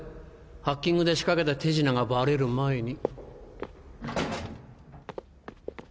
ハッキングで仕掛けた手品がバレる前に。